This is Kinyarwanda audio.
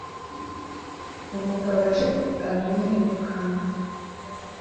Umugabo aje aramwirukana !